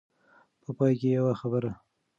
په پای کې يوه خبره.